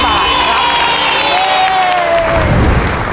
๕๐๐๐บาทครับ